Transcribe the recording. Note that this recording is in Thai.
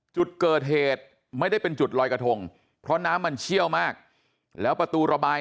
จุดเกิดเหตุไม่ได้เป็นจุดลอยกระทงเพราะน้ำมันเชี่ยวมากแล้วประตูระบาย